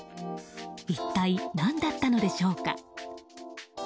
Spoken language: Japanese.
一体何だったのでしょうか。